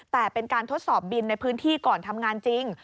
แต่เป็นการทดสอบบินในพื้นที่ก่อนทำงานจริง